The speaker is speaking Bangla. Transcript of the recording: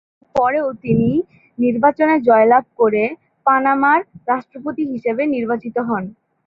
এরপরেও তিনি নির্বাচনে জয়লাভ করে পানামার রাষ্ট্রপতি হিসেবে নির্বাচিত হন।